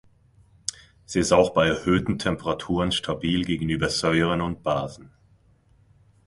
Sie ist auch bei erhöhten Temperaturen stabil gegenüber Säuren und Basen.